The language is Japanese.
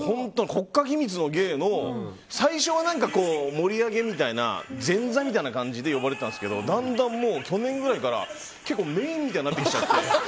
国家機密の芸の最初は盛り上げみたいな前座みたいな感じで呼ばれてたんですけどだんだん、もう去年ぐらいからメインみたいになって。